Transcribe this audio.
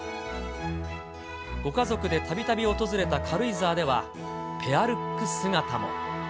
ご家族でたびたび訪れた軽井沢では、ペアルック姿も。